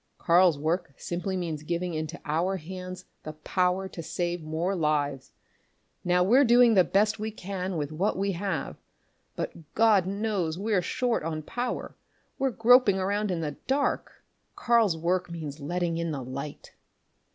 "Karl's work simply means giving into our hands the power to save more lives. Now we're doing the best we can with what we have but God knows we're short on power! We're groping around in the dark. Karl's work means letting in the light."